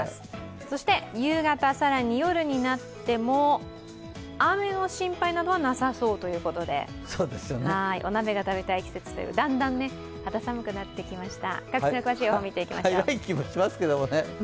そして夕方、更に夜になっても雨の心配などはなさそうということでお鍋が食べたい季節というだんだん肌寒くなってきました。